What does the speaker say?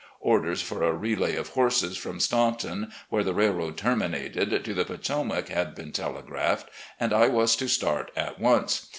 Orders for a relay of horses from Staunton, where the railroad terminated, to the Potomac had been telegraphed, and I was to start at once.